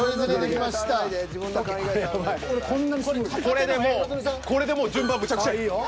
これでもうこれでもう順番むちゃくちゃや。